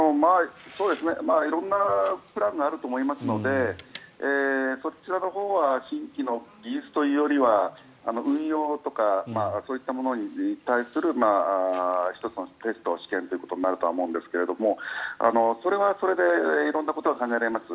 色んなプランがあると思いますのでそちらのほうは新規の技術というよりは運用とかそういったものに対する１つのテスト、試験ということになると思うんですがそれはそれで色んなことが考えられます。